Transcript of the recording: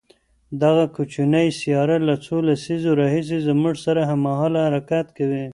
دغه کوچنۍ سیاره له څو لسیزو راهیسې زموږ سره هممهاله حرکت کوي.